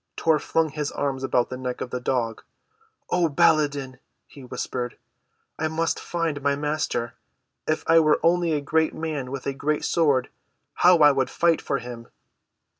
Tor flung his arms about the neck of the dog. "Oh, Baladan," he whispered, "I must find my Master. If I were only a great man with a great sword how I would fight for him!"